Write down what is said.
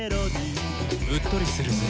「うっとりするぜ」